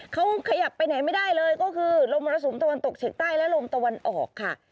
เขาขยับไปไหนไม่ได้เลยก็คือลมมรสุมตะวันตกเฉียงใต้และลมตะวันออกค่ะ